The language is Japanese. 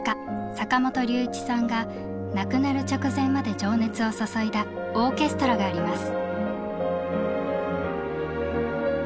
坂本龍一さんが亡くなる直前まで情熱を注いだオーケストラがあります。